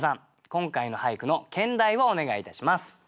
今回の俳句の兼題をお願いいたします。